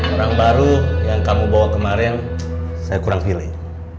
orang baru yang kamu bawa kemarin saya kurang pilih